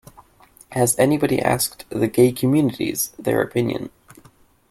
Has anybody asked the gay communities their opinion?